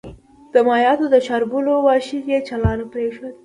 د مايعاتو د شاربلو ماشين يې چالان پرېښود.